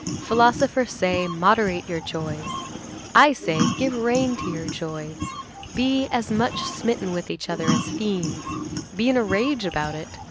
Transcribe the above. Philosophers say: 'Moderate your joys.' I say: 'Give rein to your joys.' Be as much smitten with each other as fiends. Be in a rage about it.